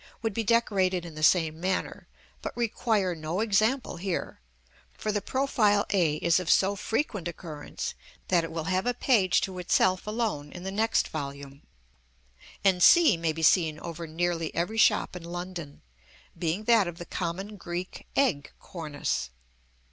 would be decorated in the same manner, but require no example here, for the profile a is of so frequent occurrence that it will have a page to itself alone in the next volume; and c may be seen over nearly every shop in London, being that of the common Greek egg cornice.)